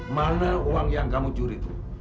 mana uang yang kamu curi